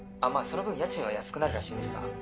まぁその分家賃は安くなるらしいんですが。